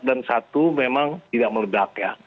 dan satu memang tidak meledak ya